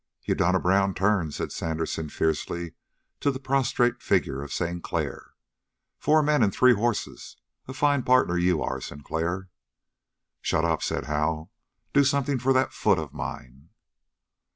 "You've done a brown turn," said Sandersen fiercely to the prostrate figure of Sinclair. "Four men and three hosses. A fine partner you are, Sinclair!" "Shut up," said Hal. "Do something for that foot of mine."